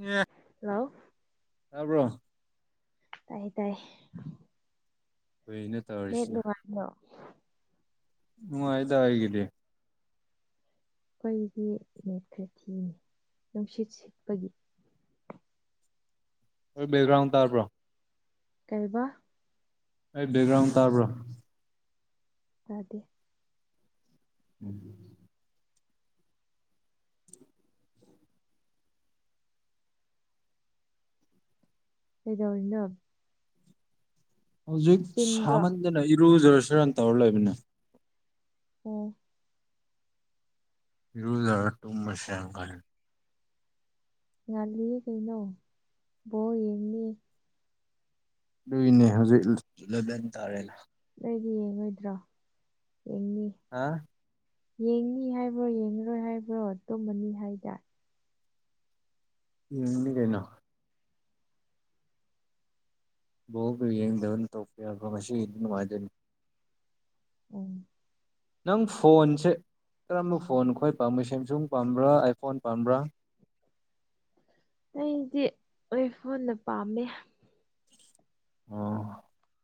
ꯌꯦ ꯍꯥꯎ ꯇꯥꯔꯕ꯭ꯔꯣ ꯇꯥꯏ ꯇꯥꯏ ꯀꯩꯅꯣ ꯅꯦꯠꯅꯤ ꯋꯥꯣ ꯎ ꯍꯥꯏꯗ ꯍꯥꯏꯒꯗꯤ ꯑꯩꯗꯤ ꯏꯠ ꯈ꯭ꯔ ꯊꯤꯅꯤ ꯅꯨꯡꯁꯤꯠ ꯁꯤꯠꯄꯒꯤ ꯦꯒ꯭ꯔꯥꯎ ꯇꯔꯔꯕ꯭ꯔꯣ ꯀꯩꯔꯤꯕ ꯑꯩ ꯕꯦꯛꯒ꯭ꯔꯥꯎꯟ ꯇꯥꯕ꯭ꯔꯣ ꯑꯗꯤ ꯎꯝ ꯀꯗꯅ ꯍꯧꯖꯤꯛ ꯁꯥꯃꯟꯗꯅ ꯏꯔꯨꯖꯔꯁꯨ ꯔꯟ ꯇꯧꯔ ꯂꯩꯕꯅꯦ ꯑꯣ ꯌꯔꯨꯖꯔ ꯇꯨꯃꯁꯀꯜ ꯉꯜꯂꯤꯌꯦ ꯀꯩꯅꯣ ꯕꯣ ꯌꯦꯡꯅꯤ ꯂꯨꯏꯅꯦ ꯍꯧꯖꯤꯛ ꯂꯗꯟ ꯇꯥꯔꯦꯅ ꯀꯗꯤ ꯌꯦꯡꯉꯣꯏꯗ꯭ꯔꯣ ꯌꯦꯡꯅꯤ ꯍꯥ ꯌꯦꯡꯅꯤ ꯍꯥꯏꯕ꯭ꯔꯣ ꯌꯦꯡꯉꯔꯣꯏ ꯍꯥꯏꯕ꯭ꯔꯣ ꯇꯨꯝꯃꯅꯤ ꯍꯥꯏꯗ ꯎꯅꯤ ꯀꯩꯅ ꯣ ꯌꯦꯗꯙꯟ ꯇꯣꯐꯒꯁꯤ ꯏ ꯋꯥꯖꯅꯤ ꯎꯝ ꯅꯪ ꯐꯣꯟꯁꯦ ꯀꯔꯝꯕ ꯐꯣꯟ ꯑꯩꯈꯣꯏ ꯄꯥꯝꯃ ꯁꯦꯝꯁꯨꯡ ꯄꯥꯝꯕ꯭ꯔꯥ ꯑꯥꯏꯐꯣꯟ ꯄꯥꯝꯕ꯭ꯔꯥ ꯑꯩꯗꯤ ꯑꯣꯏ ꯐꯣꯟꯅ ꯄꯥꯝꯃꯦ ꯑꯣ [unintelligible]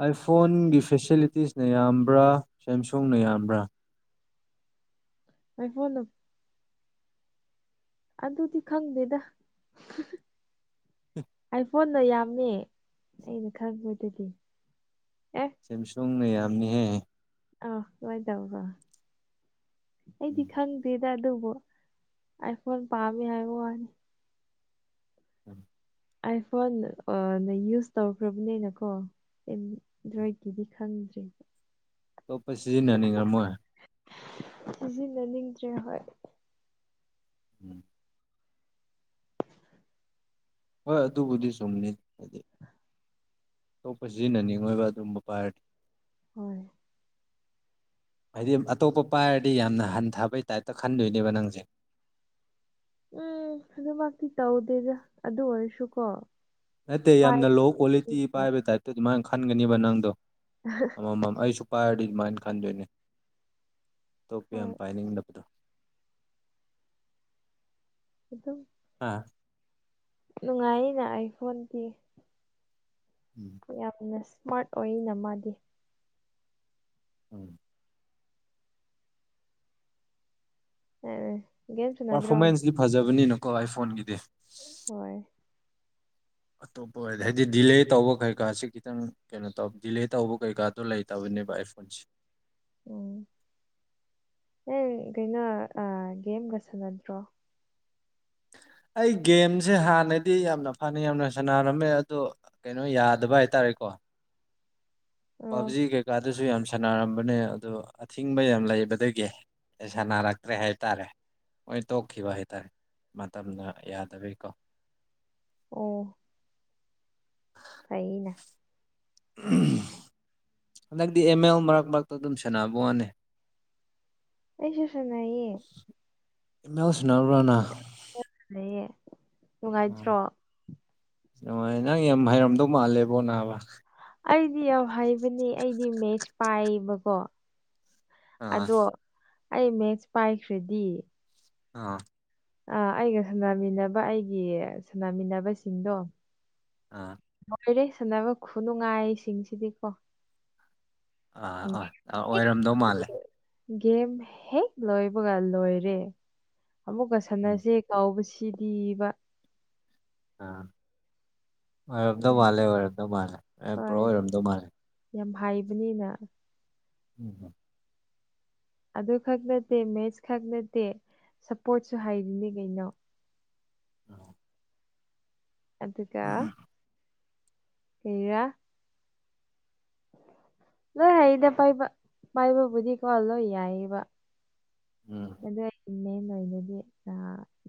ꯑꯥꯏꯐꯣꯟꯒꯤ ꯐꯦꯁꯤꯂꯤꯇꯤꯁꯅ ꯌꯥꯝꯕ꯭ꯔꯥ ꯁꯦꯝꯁꯨꯡꯅ ꯌꯥꯝꯕ꯭ꯔꯥ ꯑꯩꯥꯏ ꯐꯣꯟꯅ ꯑꯗꯨꯗꯤ ꯈꯪꯗꯦꯗ ꯎ ꯐꯣꯟꯅ ꯌꯥꯝꯃꯦ ꯑꯩꯅ ꯈꯟꯕꯣꯏꯗꯗꯤ ꯁꯦꯝꯁꯨꯡꯅ ꯌꯥꯝꯅꯤꯍꯦ ꯑ ꯑꯣꯏꯥꯏꯗꯥꯎ ꯑ ꯑꯩꯗꯤ ꯎꯝ ꯈꯥꯟꯗ ꯗꯗꯕꯣ ꯑꯩꯈꯣꯏ ꯄꯝꯃꯤ ꯍꯥꯏꯕꯅꯤ ꯎꯝ ꯑꯥꯏꯐꯣꯟ ꯅ ꯌꯨꯁ ꯇꯧꯈ꯭ꯔꯕꯅꯦꯅ ꯀꯣ ꯗ꯭ꯔꯣꯏꯀꯤꯗꯤ ꯈꯪꯗ꯭ꯔꯤꯕ ꯇꯞꯄꯩ ꯁꯤꯁꯤꯟꯅꯅꯤ ꯉꯔꯃꯣꯏ ꯁꯤꯖꯤ ꯂꯅꯤꯡꯡ ꯗ꯭ꯔꯦ ꯍ ꯎꯝ ꯍꯣꯏ ꯑꯗꯨꯕꯨꯗꯤ ꯁꯝꯅꯤꯖꯤ ꯑꯇꯣꯞꯄ ꯁꯤꯖꯤꯟꯅꯅꯤꯡꯉꯣꯏꯕ ꯑꯗꯨꯝꯕ ꯄꯥꯏꯔꯗꯤ ꯍꯣꯏ ꯍꯥꯏꯗꯤ ꯑꯇꯣꯞꯄ ꯄꯥꯏꯔꯗꯤ ꯌꯥꯝꯅ ꯍꯟꯊꯕꯩ ꯇꯥꯏꯞꯇ ꯈꯟꯗꯣꯏꯅꯦꯕ ꯅꯪꯁꯦ ꯎꯝ ꯑꯗꯨꯃꯛꯇꯤ ꯇꯧꯗꯦꯗ ꯑꯗꯨ ꯑꯣꯏꯔꯁꯨꯀꯣ ꯅꯠꯇꯦ ꯄꯥꯏ ꯌꯥꯝꯅ ꯂꯣ ꯀ꯭ꯋꯥꯂꯤꯇꯤ ꯄꯥꯏꯕ ꯇꯥꯏꯞꯇ ꯑꯗꯨꯃꯥꯏꯅ ꯈꯟꯒꯅꯦꯕ ꯅꯪꯗꯣ ꯑꯃꯃꯝ ꯑꯩꯁꯨ ꯄꯥꯏꯔ ꯏꯃꯥꯥꯟ ꯈꯥꯟꯗꯣꯏꯅꯦ ꯇꯣꯞꯄ ꯌꯥꯝ ꯍꯣꯏ ꯄꯥꯏꯅꯤꯡꯗꯕꯗꯣ ꯑꯗꯨꯗꯣ ꯑꯥ ꯅꯨꯡꯉꯥꯏꯅ ꯑꯩ ꯐꯣꯟꯗꯤ ꯎꯝ ꯌꯥꯝꯅ ꯏꯁꯃꯥꯔꯠ ꯑꯣꯏꯅ ꯃꯥꯗꯤ ꯎꯝ ꯎꯝ ꯄꯥꯔꯐꯣꯔꯃꯦꯟꯁꯇ ꯐꯖꯕꯅꯤꯅꯀꯣ ꯑꯩꯥꯏꯐꯣꯟꯒꯤꯗꯤ ꯍꯣꯏ ꯑꯇꯣꯞꯄ ꯑꯣꯏꯔꯗꯤ ꯍꯥꯏꯗꯤ ꯗꯤꯂꯦ ꯇꯧꯕ ꯀꯩꯀꯥꯥꯁ ꯈꯤꯇꯪ ꯀꯩꯅꯣ ꯇꯧ ꯗꯤꯂꯦ ꯇꯧꯕ ꯀꯩꯀꯥꯗꯣ ꯂꯩꯇꯕꯅꯤ ꯕꯥꯏ ꯐꯣꯟꯁ ꯎꯝ ꯑꯦ ꯀꯩꯅꯣ ꯒꯦꯝꯒ ꯁꯥꯟꯅꯗ꯭ꯔꯣ [unintelligible] ꯑꯩ ꯒꯦꯝꯁꯦ ꯍꯥꯟꯅꯗꯤ ꯌꯥꯝꯅ ꯐꯅꯤ ꯌꯥꯝꯅ ꯁꯥꯟꯅꯔꯝꯃꯦ ꯑꯗꯣ ꯀꯩꯅꯣ ꯌꯥꯗꯕ ꯍꯥꯏꯇꯥꯔꯦꯀꯣ ꯋꯥ ꯑꯣ ꯄꯕꯖꯤ ꯀꯩꯀꯥꯗꯁꯨ ꯌꯥꯝ ꯁꯥꯟꯅꯔꯝꯕꯅꯦ ꯑꯗꯨ ꯑꯊꯤꯡꯕ ꯌꯥꯝ ꯂꯩꯕꯗꯒꯤ ꯁꯥꯟꯅꯔꯛꯇ꯭ꯔꯦ ꯍꯥꯏꯇꯥꯔꯦ ꯃꯣꯏ ꯇꯣꯛꯈꯤꯕ ꯍꯥꯏ ꯇꯔꯦ ꯃꯇꯝꯅ ꯌꯥꯗꯕꯤꯩꯀꯣ ꯑꯣ ꯐꯩꯅ ꯍꯟꯗꯛꯇꯤ ꯑ ꯑꯦꯜ ꯃꯔꯛ ꯃꯔꯛꯇ ꯑꯗꯨꯝ ꯁꯦꯟꯅꯕ ꯋꯥꯅꯦ ꯑꯩꯁꯤꯁꯅꯌꯦ ꯃ ꯁꯅꯥ ꯔꯔꯥꯅ ꯌꯦꯦ ꯑꯥ ꯅꯨꯡꯉꯥꯏꯇ꯭ꯔꯣ ꯅꯨꯡꯉꯥꯏ ꯅꯪ ꯌꯥꯝ ꯍꯥꯏꯩꯔꯝꯗꯧ ꯃꯥꯜꯂꯦꯕꯣ ꯅꯥꯕ ꯑꯩꯗꯤ ꯌꯥꯝ ꯍꯩꯕꯅꯦ ꯑꯩꯗꯤ ꯃꯦꯁ ꯄꯥꯏꯕꯀꯣ ꯑꯥ ꯑꯗꯣ ꯑꯩ ꯃꯦꯠꯁ ꯄꯥꯏꯈ꯭ꯔꯗꯤ ꯑꯥ ꯑ ꯑꯩꯒ ꯁꯥꯟꯅꯃꯤꯟꯅꯕ ꯑꯩꯒꯤ ꯁꯥꯟꯅꯃꯤꯟꯅꯕꯁꯤꯡꯗꯣ ꯑꯥ ꯂꯩꯔꯦ ꯁꯥꯟꯅꯕ ꯈꯨꯅꯨꯡꯉꯥꯏꯁꯤꯡꯁꯤꯗꯤꯀꯣ ꯑꯥ ꯑꯥ ꯑ ꯑꯣꯏꯔꯝꯗꯧ ꯃꯥꯜꯂꯦ ꯒꯦꯝ ꯍꯦꯛ ꯂꯣꯏꯕꯒ ꯂꯣꯏꯔꯦ ꯑꯃꯨꯛꯀ ꯎꯝ ꯁꯥꯟꯅꯁꯦ ꯀꯥꯎꯁꯤ ꯁꯤꯕ ꯑꯥ ꯑꯣꯏꯔꯝꯗꯧ ꯑꯗꯨꯒꯤ ꯃꯥꯜꯂꯦ ꯑꯣꯏꯔꯝꯗꯧ ꯃꯥꯜꯂꯦ ꯃ ꯄꯨꯔꯣ ꯍꯣꯏ ꯑꯣꯏꯔꯝꯗꯧ ꯃꯥꯜꯂꯦ ꯌꯥꯝ ꯍꯥꯏꯕꯅꯤꯅ ꯎꯝ ꯍꯝ ꯑꯗꯨ ꯈꯛ ꯅꯠꯇꯦ ꯃꯦꯠꯁ ꯈꯛ ꯅꯠꯇꯦ ꯁꯞꯄꯣꯔꯠꯁꯨ ꯍꯥꯏꯔꯤꯅꯦ ꯀꯩꯅꯣ ꯑ ꯑꯗꯨꯀ ꯍꯦꯔ ꯂꯣꯏ ꯍꯥꯏꯦꯗ ꯄꯥꯏꯕ ꯄꯥꯏꯕ ꯕꯨꯗꯤ ꯀ ꯂꯣꯏ ꯌꯥꯏꯕ ꯎꯝ ꯑꯗꯨꯗ ꯃꯦꯟ ꯑꯣꯏꯅꯗꯤ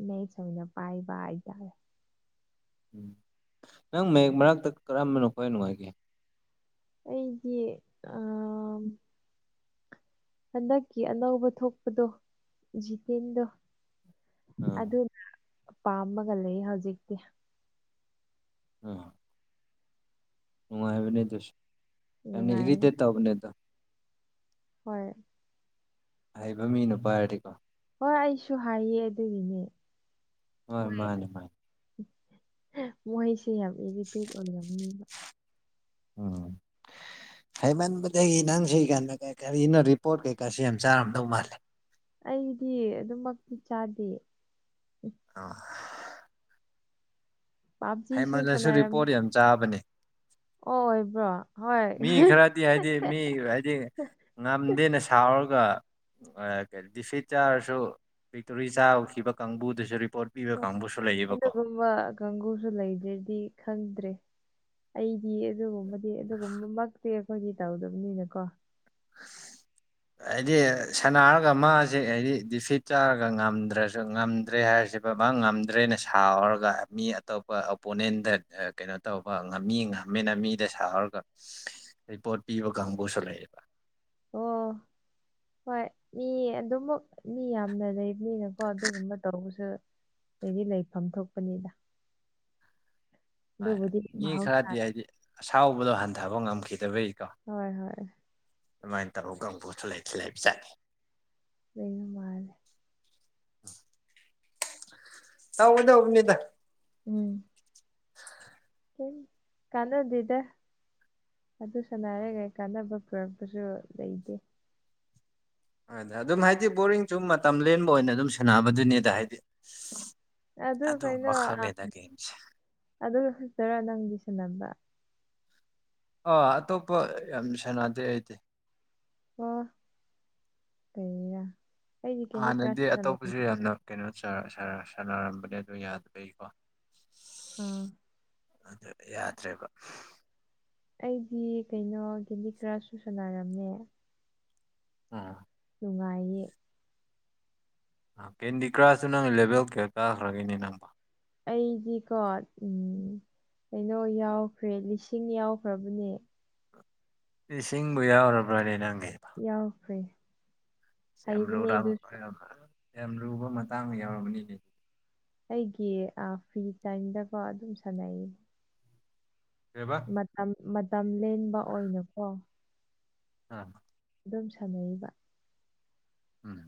ꯅꯦꯁ ꯑꯣꯏꯅ ꯄꯥꯏꯕ ꯍꯥꯏꯇꯥꯔꯦ ꯎꯝ ꯅꯪ ꯃꯌꯦꯛꯦꯛ ꯃꯔꯛꯇ ꯀꯔꯝꯕꯅꯣꯈ ꯅꯨꯡꯉꯥꯏꯒꯦ ꯑꯩꯗꯤ ꯑ ꯍꯟꯗꯛꯀꯤ ꯑꯅꯧꯕ ꯊꯣꯛꯄꯗꯣ ꯖꯤꯇꯦꯟꯗꯣ ꯑꯥ ꯑꯗꯨꯅ ꯄꯥꯃꯒ ꯂꯩ ꯍꯧꯖꯤꯛꯇꯤ ꯎꯝ ꯍꯕꯅꯦꯗꯨꯁꯤ ꯅꯨꯡꯉꯥꯏ ꯑꯔꯤꯗꯦ ꯇꯕꯅꯦꯗ ꯍꯣꯏ ꯍꯩꯕ ꯃꯤ ꯅꯨꯄꯥ ꯍꯥꯏꯔꯗꯤꯀꯣ ꯍꯣꯏ ꯑꯩꯁꯨ ꯍꯥꯏꯌꯦ ꯑꯗꯨꯒꯤꯅꯦ ꯍꯣꯏ ꯃꯥꯅꯦ ꯃꯥꯅꯦ ꯃꯍꯦꯁꯦ ꯌꯥ ꯑꯦꯖꯤꯇꯖꯕ ꯎꯝ ꯍꯥꯏꯩꯃꯟꯕꯗꯒꯤ ꯅꯪ ꯁꯤ ꯀꯥꯟꯗ ꯀꯩ ꯀꯥꯔꯤꯅ ꯔꯤꯄꯣꯔꯠ ꯀꯩꯀꯥꯁꯤ ꯌꯥꯝ ꯆꯥꯔꯝꯗꯧ ꯃꯥꯜꯂꯦ ꯑꯩꯗꯤ ꯑꯗꯨꯝꯃꯛꯇꯤ ꯆꯥꯗꯦ ꯑ ꯄꯥꯞꯖꯤꯁꯨ ꯍꯩꯃꯜꯂꯁꯨ ꯁꯥꯟꯅꯔꯝꯃꯤ ꯔꯤꯄꯣꯠ ꯌꯥꯝ ꯆꯥꯕꯅꯦ ꯑꯣ ꯑꯣꯏꯕ꯭ꯔꯣ ꯍꯣꯏ ꯃꯤ ꯈꯔꯗꯤ ꯍꯥꯏꯗꯤ ꯃꯤ ꯍꯥꯏꯗꯤ ꯉꯝꯗꯦꯅ ꯁꯥꯎꯔꯒ ꯑꯗꯨꯒ ꯗꯤꯐꯤꯠ ꯆꯥꯔꯁꯨ ꯕꯤꯛꯇꯣꯔꯤ ꯆꯥꯈꯤꯕ ꯀꯥꯡꯕꯨꯗꯨꯁꯨ ꯔꯤꯄꯣꯔꯠ ꯄꯤꯕ ꯀꯥꯡꯕꯨꯁꯨ ꯂꯩꯌꯦꯕꯀꯣ ꯑꯗꯨꯒꯨꯝꯕ ꯀꯥꯡꯒꯨꯁꯨ ꯂꯩꯗ꯭ꯔꯗꯤ ꯈꯪꯗ꯭ꯔꯦ ꯑꯩ ꯐ ꯑꯗꯨꯒꯨꯝꯕꯗꯤ ꯑꯗꯨꯒꯨꯝꯕꯃꯛꯇꯤ ꯑꯩꯈꯣꯏꯒꯤ ꯇꯧꯗꯕꯅꯤꯅꯀꯣ ꯎ ꯍꯥꯏꯗꯤ ꯁꯅꯔꯒ ꯃꯥꯁꯤꯦ ꯍꯥꯏꯗꯤ ꯗꯤꯐꯤꯠ ꯆꯥꯔꯒ ꯉꯝꯗ꯭ꯔꯁꯨ ꯉꯝꯗ꯭ꯔꯦ ꯍꯥꯏꯁꯤꯕ ꯃꯥ ꯉꯝꯗ꯭ꯔꯦꯅ ꯁꯥꯔꯒ ꯃꯤ ꯑꯇꯣꯞꯄ ꯑꯣꯄꯣꯅꯦꯟꯗ ꯀꯩꯅꯣ ꯇꯧꯕ ꯉꯝꯃꯤ ꯉꯝꯃꯦꯅ ꯃꯤꯗ ꯁꯥꯍꯔꯒ ꯄꯣꯠ ꯄꯤꯕ ꯀꯥꯡꯕꯨꯁꯨ ꯂꯩꯌꯦꯕ ꯑꯣ ꯍꯣꯏ ꯃꯤ ꯑꯗꯨꯃꯛ ꯃꯤ ꯌꯥꯝꯅ ꯂꯩ ꯃꯤꯅꯀꯣ ꯑꯗꯨꯒꯨꯝꯕ ꯇꯧꯔꯒꯁꯨ ꯑꯩꯗꯤ ꯂꯩꯐꯝ ꯊꯣꯛꯄꯅꯤꯗ ꯍꯣꯏ ꯑꯗꯨꯕꯨꯗꯤ ꯃꯤ ꯈꯔꯗꯤ ꯃꯍꯧꯁꯥꯅꯤ ꯍꯥꯏꯗꯤ ꯑꯁꯥꯎꯕꯗꯣ ꯍꯟꯊꯕ ꯉꯝꯈꯤꯗꯕꯩ ꯍꯣꯏ ꯍꯣꯏ ꯑꯗꯨꯃꯥꯏꯅ ꯇꯧꯔꯒꯕꯨꯣꯁꯨꯂ ꯊꯤꯜꯂꯥꯏꯕ ꯆꯠꯅꯤ ꯂꯩꯅ ꯃꯥꯅꯦꯦ ꯇꯥꯎ ꯃꯗ ꯑꯕꯅꯤꯗ ꯎꯝ [inaudible] ꯎ ꯀꯅꯥꯗꯗ ꯑꯗꯨ ꯁꯅꯔꯒꯩ ꯀꯥꯟꯅꯕ ꯄꯨꯔꯛꯄꯁꯨ ꯂꯩꯇꯦ ꯑꯗꯨꯗ ꯑꯗꯨꯝ ꯍꯥꯏꯗꯤ ꯕꯣꯔꯤꯡꯁꯨ ꯃꯇꯝ ꯂꯦꯟꯕ ꯑꯣꯏꯅ ꯑꯗꯨꯝ ꯁꯥꯟꯅꯕꯗꯨꯅꯦꯗ ꯍꯥꯏꯗꯤ ꯑꯗꯨ ꯀꯩꯅꯣ ꯑꯗꯨꯝꯕ ꯈꯛꯅꯦꯗ ꯒꯦꯝꯁꯦ ꯑꯗꯨ ꯐꯛꯇꯔꯥ ꯅꯪꯒꯤ ꯁ ꯅꯝꯕ ꯑꯥ ꯑꯇꯣꯞꯄ ꯌꯥꯝ ꯁꯥꯟꯅꯗꯦ ꯑꯩꯗꯤ ꯑ ꯁꯒ ꯍꯥꯟꯅꯗꯤ ꯑꯇꯣꯞꯄꯁꯨ ꯌꯥꯝꯅ ꯀꯩꯅꯣ ꯆꯥꯔꯁꯤꯦ ꯁꯥꯟꯅꯔꯝꯕꯅꯦ ꯑꯗꯨ ꯌꯥꯗꯕꯩꯀꯣ ꯑꯥ ꯑꯗꯨ ꯌꯥꯗ꯭ꯔꯦꯕ ꯑꯩꯗꯤ ꯀꯩꯅꯣ ꯀꯦꯗꯤ ꯈꯔ ꯁꯨ ꯁꯥꯟꯅꯥꯔꯝꯃꯦ ꯑ ꯅꯨꯡꯉꯥꯏꯌꯦ ꯀꯦꯟꯗꯤ ꯀ꯭ꯔꯥꯁꯁꯨ ꯅꯪ ꯂꯦꯚꯦꯜ ꯀꯌꯥ ꯀꯥꯈ꯭ꯔꯒꯦꯅꯦ ꯅꯪꯕ ꯑꯩꯗꯤꯀꯣ ꯎꯝ ꯀꯩꯅꯣ ꯌꯥꯎꯈ꯭ꯔꯦ ꯂꯤꯁꯤꯡ ꯌꯥꯎꯈ꯭ꯔꯕꯅꯦ ꯏꯁꯤꯡ ꯕꯌꯥ ꯍꯔꯕ꯭ꯔꯥꯅꯦ ꯅꯪ ꯌꯥꯎꯈ꯭ꯔꯦ ꯌꯥꯝ ꯍꯩꯕꯅꯦ ꯂꯨꯨꯔꯑ ꯑꯗꯨꯁꯨ ꯌꯥꯝ ꯂꯨꯕ ꯃꯇꯥꯡꯗ ꯌꯥꯎꯔꯝꯔꯕꯅꯤꯅꯦ ꯑꯩꯒꯤ ꯐ꯭ꯔꯤ ꯇꯥꯏꯝꯗꯀꯣ ꯑꯗꯨꯝ ꯁꯥꯟꯅꯩ ꯀꯩꯕ ꯃꯇꯝ ꯃꯇꯝ ꯂꯦꯟꯕ ꯑꯣꯏꯅꯀꯣ ꯑ ꯑꯗꯨꯝ ꯁꯥꯟꯅꯔꯤꯕ ꯎꯝ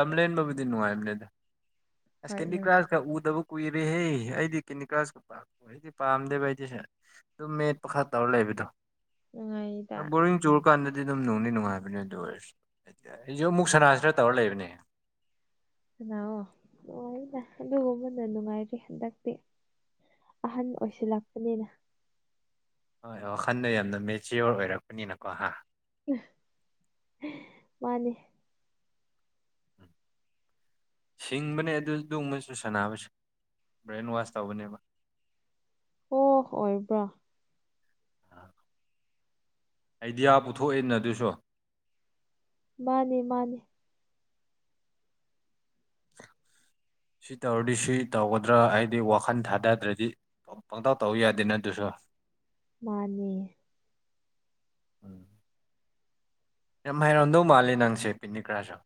ꯑ ꯂꯦꯟꯕꯕꯨꯗꯤ ꯅꯨꯡꯉꯥꯏꯕꯅꯦꯗ ꯍꯣꯏ ꯁꯦꯀꯦꯟꯔꯤ ꯅꯪ ꯀ ꯀ꯭ꯂꯥꯁꯗ ꯀꯨꯏꯔꯦꯍꯦ ꯑꯩꯗꯤ ꯀꯦꯅꯤꯀ꯭ꯔꯥꯁꯀ ꯄꯄ ꯑꯩꯗꯤ ꯄꯥꯝꯗꯦꯕ ꯑꯩꯗꯤ ꯑꯗꯨꯝ ꯃꯦꯠꯄ ꯈꯔ ꯇꯧꯔ ꯂꯩꯕꯗꯣ ꯎ ꯏꯗ ꯗꯨꯀꯥꯟꯗꯗꯤ ꯑꯗꯨꯝ ꯅꯨꯡꯅꯤ ꯅꯨꯡꯉꯥꯏꯕꯅꯦ ꯑꯗꯨ ꯑꯣꯏꯔ ꯑꯩꯁꯨ ꯑꯃꯨꯛ ꯁꯅꯥꯁꯤꯔ ꯇꯧꯔ ꯂꯩꯕꯅꯦ ꯀꯅꯥꯑꯣ ꯅꯨꯡꯉꯥꯏꯗ ꯑꯗꯨꯒꯨꯝꯕꯅ ꯅꯨꯡꯉꯥꯏꯔꯤ ꯍꯟꯗꯛꯇꯤ ꯑꯍꯟ ꯑꯣꯏꯁꯤꯜꯂꯛꯄꯅꯤꯅ ꯍꯣꯏ ꯋꯥꯈꯜꯗ ꯌꯥꯝꯅ ꯃꯦꯆꯤꯌꯣꯔ ꯑꯣꯏꯔꯛꯄꯅꯤꯅꯀꯣ ꯍꯥ ꯃꯥꯅꯦ ꯎꯝ ꯁꯤꯡꯕꯅꯦ ꯑꯗꯨ ꯑꯗꯨꯒꯕꯁꯨ ꯁꯥꯟꯅꯕꯁꯦ ꯕ꯭ꯔꯦꯟ ꯋꯥꯁ ꯇꯧꯕꯅꯦꯕ ꯍꯣ ꯑꯣꯏꯕ꯭ꯔꯥ ꯑꯥꯏꯗꯤꯌꯥ ꯄꯨꯊꯣꯛꯑꯦꯅ ꯑꯗꯨꯁꯨ ꯃꯥꯅꯦ ꯃꯥꯅꯦ [unintelligible] ꯁꯤ ꯇꯧꯔꯗꯤ ꯁꯤ ꯇꯧꯒꯗ꯭ꯔꯥ ꯍꯥꯏꯗꯤ ꯋꯥꯈꯜ ꯊꯥꯗꯗ꯭ꯔꯗꯤ ꯄꯪꯇꯥꯎ ꯇꯧ ꯌꯥꯗꯦ ꯅ ꯑꯗꯨꯁꯨ ꯃꯥꯅꯤ ꯎꯝ ꯌꯥꯝ ꯍꯥꯏꯔꯝꯗꯧ ꯃꯥꯂꯦ ꯅꯪꯁꯦ ꯄꯤꯅꯤꯀ꯭ꯔꯥꯁꯨ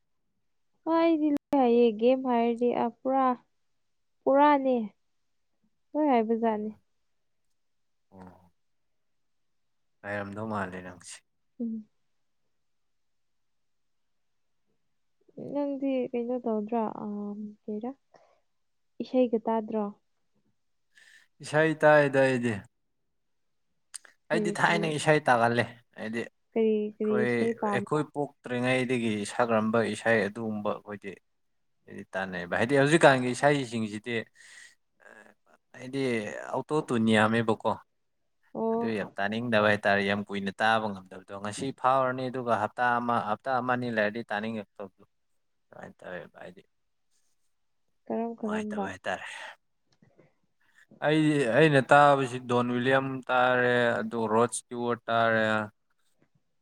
ꯍꯥꯏꯥꯏꯔꯤ ꯂꯩ ꯍꯥꯏꯌꯦꯦꯒꯦ ꯍꯥꯏꯔꯤ ꯑ ꯄꯨꯔꯥ ꯄꯨꯔꯥꯅꯦ ꯍꯣꯏ ꯌꯥꯕꯖꯥꯅꯤꯦ ꯎ ꯍꯥꯏꯔꯝꯗꯧ ꯃꯥꯜꯂꯦ ꯅꯪꯁꯦ ꯎꯝ ꯅꯪꯗꯤ ꯀꯩꯅꯣ ꯇꯧꯗ꯭ꯔꯥ ꯀꯔ ꯏꯁꯩꯒ ꯇꯥꯗ꯭ꯔꯣ ꯏꯁꯩ ꯇꯥꯏ ꯇꯥꯏꯗꯤ ꯑꯩꯗꯤ ꯀꯔꯤ ꯀꯔꯤ ꯊꯥꯏꯅ ꯏꯁꯩ ꯇꯥꯒꯜꯂꯦ ꯍꯥꯏꯗꯤ ꯀꯔꯤ ꯀꯔꯤ ꯑꯩꯈꯣꯏ ꯏꯁꯩ ꯄꯥꯝꯕ꯭ꯔꯥ ꯑꯩꯈꯣꯏ ꯄꯣꯛꯇ꯭ꯔꯤꯉꯩ ꯑꯩꯒꯤ ꯁꯥꯛꯒꯔꯝꯕ ꯏꯁꯩ ꯑꯗꯨꯒꯨꯝꯕ ꯑꯩꯈꯣꯏꯗꯤ ꯍꯥꯏꯗꯤ ꯇꯥꯟꯅꯩꯕ ꯍꯥꯏꯗꯤ ꯍꯧꯖꯤꯛꯀꯥꯟꯒꯤ ꯏꯁꯩꯁꯤꯡꯁꯤꯗꯤ ꯑꯩꯗꯤ ꯑꯣꯇꯣ ꯇꯨꯅꯤ ꯌꯥꯝꯃꯦꯕꯀꯣ ꯑꯗꯨ ꯑꯣ ꯌꯥꯝ ꯇꯥꯅꯤꯡꯗꯕ ꯍꯥꯏꯇꯥꯔꯦ ꯌꯥꯝ ꯀꯨꯏꯅ ꯇꯥꯕ ꯉꯝꯗꯕꯗꯣ ꯉꯁꯤ ꯐꯥꯎꯔꯅꯤ ꯑꯗꯨꯒ ꯍꯞꯇꯥ ꯑꯃ ꯍꯞꯇꯥ ꯑꯃ ꯑꯅꯤ ꯂꯩꯔꯗꯤ ꯇꯥꯅꯤꯡꯉꯛꯇꯕꯣ ꯅꯨꯡꯉꯥꯏꯅ ꯇꯧꯋꯦ ꯚꯥꯏꯗꯤ ꯀꯔꯝ ꯀꯔꯝꯕ ꯅꯨꯡꯉꯥꯏꯇꯕꯦ ꯍꯥꯏꯇꯥꯔꯦ ꯑꯩꯗꯤ ꯑꯩꯅ ꯇꯥꯕꯁꯤ ꯗꯣꯟ ꯋꯤꯂꯤꯌꯝ ꯇꯥꯔꯦ ꯑꯗꯨꯒ ꯔꯣꯠ ꯏꯁꯇꯤꯋꯔꯠ ꯇꯥꯔꯦ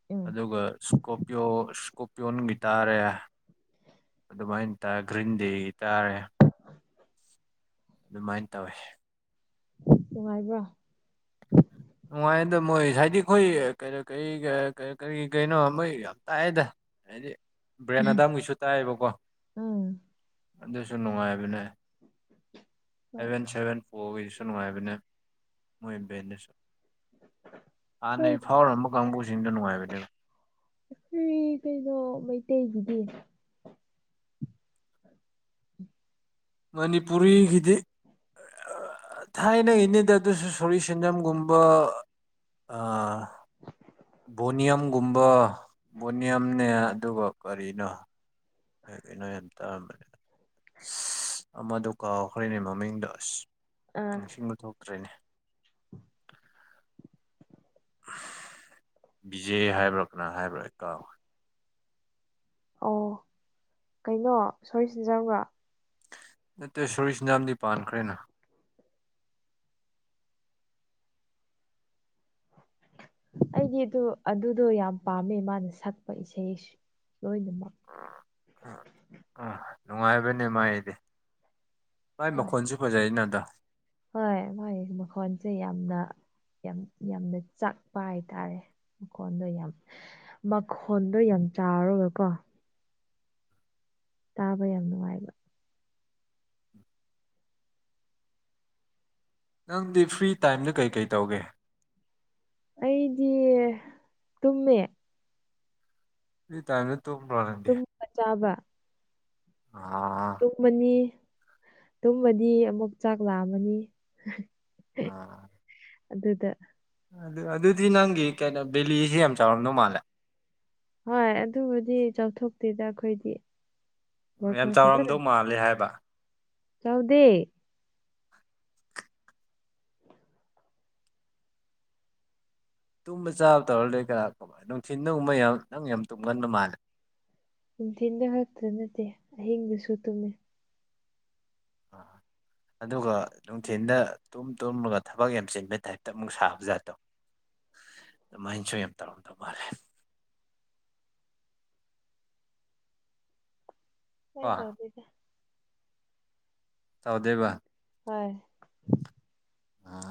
ꯎꯝ ꯑꯗꯨꯒ ꯏꯁꯀꯣꯄꯤꯌꯣ ꯏꯁꯀꯣꯄꯤꯌꯣꯟꯒꯤ ꯇꯥꯔꯦ ꯑꯗꯨꯃꯥꯏꯅ ꯇꯔ ꯒ꯭ꯔꯤꯟ ꯗꯦꯇꯥꯥꯔꯦ ꯑꯗꯨꯃꯥꯏꯅ ꯇꯧꯋꯤ ꯅꯨꯡꯉꯥꯏꯕ꯭ꯔ ꯅꯨꯡꯉꯥꯏꯗ ꯃꯣꯏ ꯍꯥꯏꯗꯤ ꯑꯩꯈꯣꯏ ꯀ ꯀꯔꯤ ꯀꯔꯤ ꯀꯩꯅꯣ ꯃꯣꯏ ꯌꯥꯝ ꯇꯥꯏꯑꯦꯗ ꯍꯥꯏꯦ ꯕ꯭ꯔꯦꯟ ꯑꯗꯥꯝꯒꯤꯁꯨ ꯇꯥꯏꯌꯦꯕꯀꯣ ꯎꯝ ꯑꯗꯨꯁꯨ ꯅꯨꯡꯉꯥꯏꯕꯅꯦ ꯍꯣꯏ ꯑꯦꯚꯦꯟ ꯁꯚꯦꯟ ꯐꯣꯔꯒꯤꯁꯨ ꯅꯨꯡꯉꯥꯏꯕꯅꯦ ꯃꯣꯏ ꯕꯦꯟꯗꯁꯨ ꯍꯥꯟꯅꯩ ꯍꯣꯏ ꯐꯥꯎꯔꯝꯕ ꯀꯥꯡꯕꯨꯁꯤꯡꯗ ꯅꯨꯡꯉꯥꯏꯕꯅꯦ ꯣꯏ ꯀꯩꯅꯣ ꯃꯩꯇꯩꯒꯤꯗꯤ ꯃꯅꯤꯄꯨꯔꯤꯒꯤꯗꯤ ꯊꯥꯏꯅ ꯏꯅꯦꯗ ꯑꯗꯨꯁꯨ ꯁꯣꯔꯤ ꯁꯦꯟꯖꯝꯒꯨꯝꯕ ꯑ ꯕꯣꯅꯤꯌꯝꯒꯨꯝꯕ ꯕꯣꯅꯤꯌꯝꯅꯦ ꯑꯗꯨꯒ ꯀꯔꯤꯅꯣ ꯩꯅꯣ ꯌꯥꯝ ꯇꯔꯅꯦ ꯑꯃꯗꯨ ꯀꯥꯎꯈ꯭ꯔꯅꯦ ꯃꯃꯤꯡꯗ ꯑꯁ ꯑꯥ ꯅꯤꯡꯁꯤꯡꯕ ꯊꯣꯛꯇ꯭ꯔꯦꯅꯦ ꯕꯤꯖꯦ ꯍꯥꯏꯕ꯭ꯔꯥ ꯀꯅ ꯍꯥꯏꯕ꯭ꯔꯥ ꯑꯩ ꯀꯥꯎ ꯑꯣ ꯀꯩꯅꯣ ꯁꯣꯏ ꯁꯤꯟꯖꯕ꯭ꯔ ꯅꯠꯇ꯭ꯔꯦ ꯁꯣꯔꯤꯁ ꯌꯥꯝꯗꯤ ꯄꯥꯟꯈ꯭ꯔꯦꯅ [inaudible] ꯑꯩꯗꯤ ꯑꯗꯨ ꯑꯗꯨꯗꯣ ꯌꯥꯝ ꯄꯥꯝꯃꯦ ꯃꯥꯅ ꯁꯛꯄ ꯏꯁꯩ ꯂꯣꯏꯅꯃꯛ ꯎ ꯅꯨꯡꯉꯥꯏꯕꯅꯦ ꯃꯥꯥꯏꯗꯤ ꯚꯥꯏ ꯃꯈꯣꯟꯁꯨ ꯐꯖꯔꯤꯅ ꯑꯗ ꯍꯣꯏ ꯍꯣꯏ ꯃꯈꯣꯟꯁꯦ ꯌꯥꯝꯅ ꯌꯥꯝ ꯌꯥꯝꯅ ꯆꯥꯛꯄ ꯍꯥꯏꯇꯥꯔꯦ ꯃꯈꯣꯟꯗꯣ ꯌꯥꯝ ꯃꯈꯣꯟꯗꯣ ꯌꯥꯝ ꯆꯥꯔꯕꯀꯣ ꯇꯥꯕ ꯌꯥꯝ ꯅꯨꯡꯉꯥꯏꯕ ꯅꯪꯗꯤ ꯐ꯭ꯔꯤ ꯇꯥꯏꯝꯗ ꯀꯩꯀꯩ ꯇꯧꯒꯦ ꯑꯩꯗꯤ ꯇꯨꯝꯃꯦ ꯇꯥꯏ ꯇꯣꯔꯗꯤꯦ ꯇꯨꯝꯕ ꯆꯥꯕ ꯇꯨꯝꯃꯅꯤ ꯇꯨꯝꯃꯗꯤ ꯑꯃꯨꯛ ꯆꯥꯛ ꯂꯥꯛꯑꯝꯃꯅꯤ ꯑꯥ ꯑꯗꯨꯗꯗ ꯑꯗꯨ ꯑꯗꯨꯗꯤ ꯅꯪꯒꯤ ꯀꯩꯅꯣ ꯕꯦꯂꯤꯁꯤꯦ ꯌꯥꯝ ꯆꯥꯎꯔꯝꯅꯣ ꯃꯥꯜꯂꯦ ꯍꯣꯏ ꯑꯗꯨꯕꯨꯗꯤ ꯆꯥꯎꯊꯣꯛꯇꯦꯗ ꯑꯩꯈꯣꯏꯗꯤ ꯌꯥꯝ ꯆꯥꯎꯔꯝꯗꯧ ꯃꯥꯜꯂꯦ ꯍꯥꯏꯕ ꯆꯧꯗꯦ ꯇꯨꯝꯕ ꯆꯥꯕ ꯇꯧꯔ ꯂꯩꯣꯏ ꯀꯌꯥ ꯀꯨꯝꯕ ꯅꯨꯡꯊꯤꯤꯟꯗꯒꯨꯝꯕ ꯌꯥꯝ ꯅꯪ ꯌꯥꯝ ꯇꯨꯝꯒꯟꯕ ꯃꯥꯜꯂꯦ ꯅꯨꯡꯊꯤꯗ ꯈꯛꯇ ꯅꯠꯇꯦ ꯑꯍꯤꯡꯗꯨꯁꯨ ꯇꯨꯝꯃꯦ ꯑ ꯑꯗꯨꯒ ꯅꯨꯡꯊꯤꯤꯟꯗ ꯇꯨꯝ ꯇꯨꯝꯂꯒ ꯊꯕꯛ ꯌꯥꯝ ꯆꯤꯟꯕ ꯇꯥꯏꯞꯇ ꯑꯃꯨꯛ ꯁꯥꯕ ꯖꯥꯠꯠꯇꯣ [inaudible] ꯑꯗꯨꯃꯥꯏꯅꯁꯨ ꯌꯥꯝ ꯇꯧꯔꯣꯝ ꯇꯧ ꯃꯥꯜꯂꯦ ꯍꯣꯏ ꯀꯣ ꯇꯥꯎꯗꯣꯏꯗ ꯇꯥꯎꯗꯦꯕ ꯍꯣꯏ ꯑꯥ